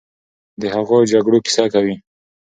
د هغو جګړو کیسه کوي،